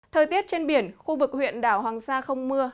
thời tiết trên biển khu vực huyện đảo hoàng sa không mưa